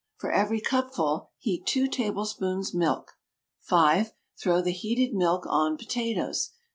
For every cupful, heat 2 tablespoons milk. 5. Throw the heated milk on potatoes.